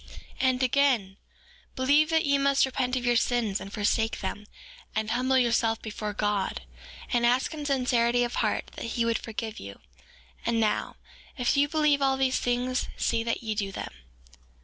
4:10 And again, believe that ye must repent of your sins and forsake them, and humble yourselves before God; and ask in sincerity of heart that he would forgive you; and now, if you believe all these things see that ye do them.